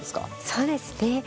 そうですね。